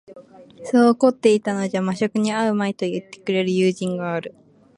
そう凝っていたのじゃ間職に合うまい、と云ってくれる友人がある